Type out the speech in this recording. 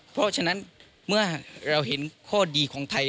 เพราะฉะนั้นเมื่อเราเห็นข้อดีของไทย